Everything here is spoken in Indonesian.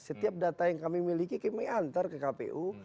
setiap data yang kami miliki kami antar ke kpu